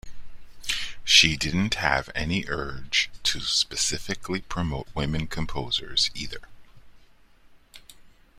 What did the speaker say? She didn't have any urge to specifically promote women composers, either.